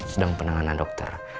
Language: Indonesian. sedang penanganan dokter